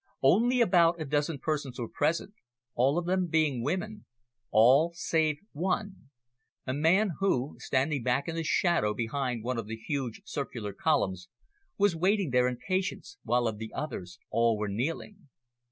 Only about a dozen persons were present, all of them being women all save one, a man who, standing back in the shadow behind one of the huge circular columns, was waiting there in patience, while of the others all were kneeling.